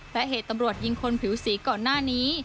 และเหตุตำรวจยิงคนผิวสีก่อนหน้านี้